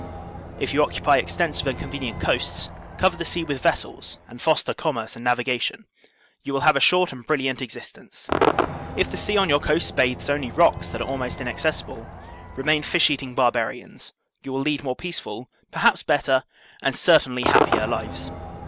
* If you occupy extensive and convenient coasts, cover the sea with vessels and foster commerce and navigation; you will have a short and brilliant existence. If the sea on your coasts bathes only rocks that are almost inaccessible, remain fish eating barbarians; you will lead more peace ful, perhaps better, and certainly happier lives.